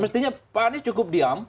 mestinya pak anies cukup diam